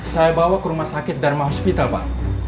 saya bawa ke rumah sakit dharma hospita pak